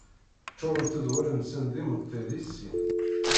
Ččurent-d wallen-nsen d imeṭṭi di sin.